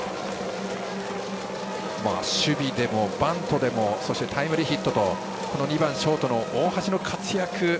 守備でもバントでもそしてタイムリーヒットと２番ショートの大橋の活躍